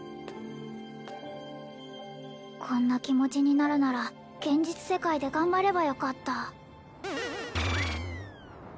こんな気持ちになるなら現実世界で頑張ればよかった